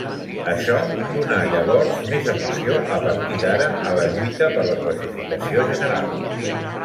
Això donà llavors més emoció a partir d'ara a la lluita per la classificació general.